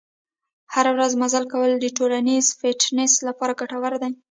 هره ورځ مزل کول د ټولیز فټنس لپاره ګټور دي.